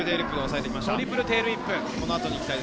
トリプルテールウィップ。